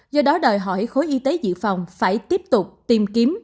do đó đòi hỏi khối y tế dự phòng phải tiếp tục tìm kiếm